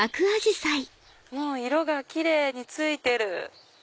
もう色がキレイについてる。